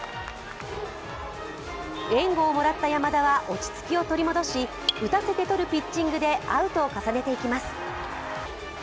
援護をもらった山田は落ち着きを取り戻し、打たせて取るピッチングでアウトを重ねていきます。